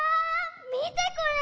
みてこれ！